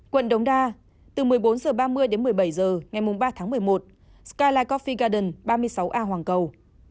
quận đống đa từ một mươi bốn h ba mươi đến một mươi bảy h ngày ba tháng một mươi một skalacofigaden ba mươi sáu a hoàng cầu